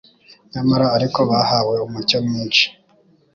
Nyamara ariko bahawe umucyo mwinshi.